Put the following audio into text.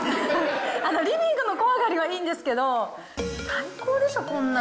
リビングの小上がりはいいんですけど、最高でしょ、こんな。